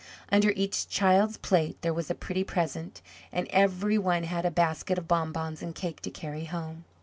Under each child's plate there was a pretty present and every one had a basket of bonbons and cake to carry home.